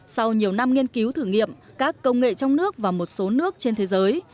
sau nhiều năm nghiên cứu thử nghiệm các công nghệ trong nước và một số nước trên thế giới